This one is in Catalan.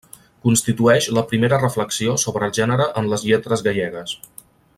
Constitueix la primera reflexió sobre el gènere en les lletres gallegues.